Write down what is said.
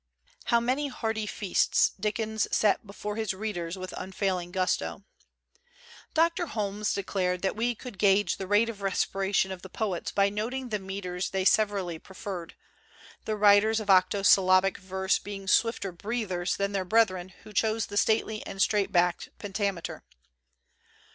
How many hearty feasts Dickens set be fore his readers with unfailing gusto ! Doctor Holmes declared that we could gage the rate of respiration of the poets by noting the meters they severally preferred; the writers of octosyllabic verse being swifter breathers than their brethren who chose the stately and straight backed pentameter.